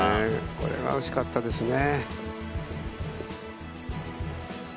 これは惜しかったですね。